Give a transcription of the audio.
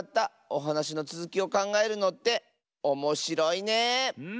おはなしのつづきをかんがえるのっておもしろいね。